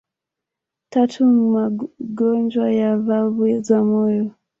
Tatu magonjwa ya valvu za moyo